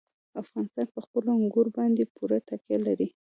افغانستان په خپلو انګورو باندې پوره تکیه لري.